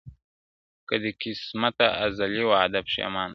که دي قسمته ازلي وعده پښېمانه سوله.!